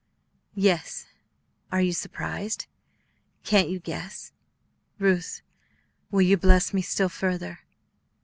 "Yes; are you surprised, can't you guess? Ruth, will you bless me still further?